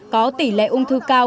có tỷ lệ ung thư cao